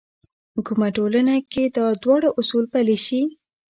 کومه ټولنه کې دا دواړه اصول پلي شي.